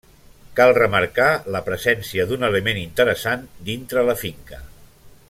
Cal remarcar la presència d'un element interessant dintre la finca.